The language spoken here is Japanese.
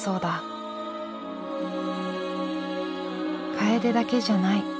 カエデだけじゃない。